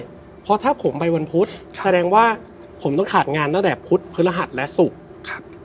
เพราะถ้าผมไปวันพุธแสดงว่าผมต้องขาดงานตั้งแต่พุธพฤหัสและศุกร์ครับ